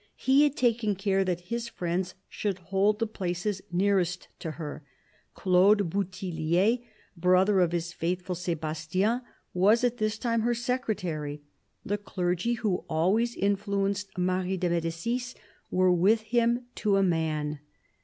He had taken care that his friends should hold the places nearest to her : Claude Bouthillier, brother of his faithful Sebastien, was at this time her secretary. The clergy, who always influenced Marie de Medicis, were with him to a man.